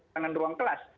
dengan ruang kelas